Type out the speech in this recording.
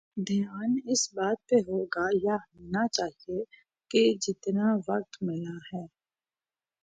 دھیان اس بات پہ ہو گا یا ہونا چاہیے کہ جتنا وقت ملا ہے۔